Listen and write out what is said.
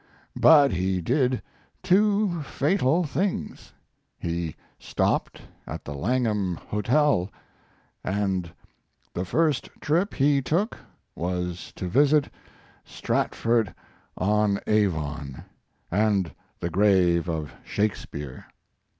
But he did two fatal things: he stopped at the Langham Hotel, and the first trip he took was to visit Stratford on Avon and the grave of Shakespeare.